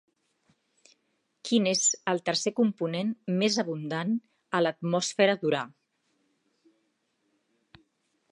Quin és tercer component més abundant a l'atmosfera d'Urà?